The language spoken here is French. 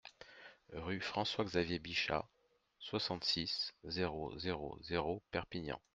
Rue François Xavier Bichat, soixante-six, zéro zéro zéro Perpignan